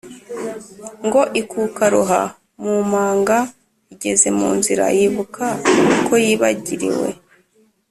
Ngo ikukaroha mu manga Igeze mu nzira yibuka ko yibagiriwe